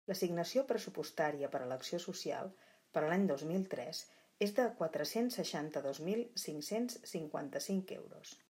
L'assignació pressupostària per a l'Acció Social, per a l'any dos mil tres, és de quatre-cents seixanta-dos mil cinc-cents cinquanta-cinc euros.